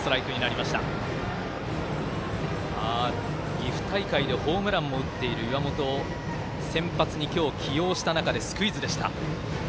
岐阜大会でホームランも打っている岩本を先発に今日、起用した中でスクイズでした。